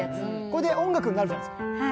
これで音楽になるじゃないですか。